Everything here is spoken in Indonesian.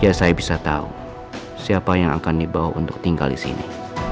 ya saya bisa tahu siapa yang akan dibawa untuk tinggal di sini